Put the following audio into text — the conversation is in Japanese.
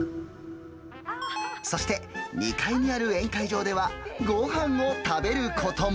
そして、２階にある宴会場では、ごはんを食べることも。